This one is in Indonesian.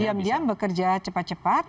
diam diam bekerja cepat cepat